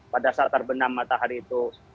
pada saat terbenam matahari itu